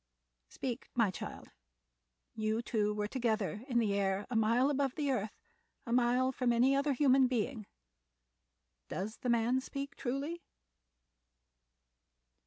Speak, my child; you two were together in the air a mile above the earth, a mile from any other human being. Does the man speak truly?"